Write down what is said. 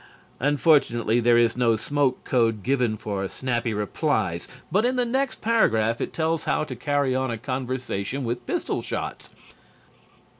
Unfortunately, there is no smoke code given for snappy replies, but in the next paragraph it tells how to carry on a conversation with pistol shots.